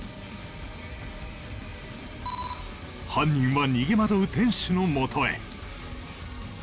犯人は逃げ惑う店主のもとへ。